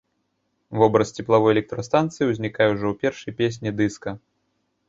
Вобраз цеплавой электрастанцыі ўзнікае ўжо ў першай песні дыска.